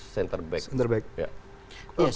jadi kita harus memiliki hal yang lebih baik